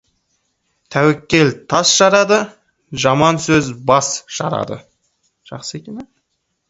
Тәуекел тас жарады, жаман сөз бас жарады.